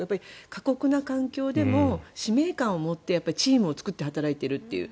過酷な環境でも使命感を持ってチームを作って働いているという。